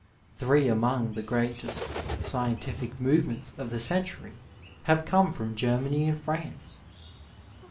Three among the greatest scientific movements of the century have come from Germany and France.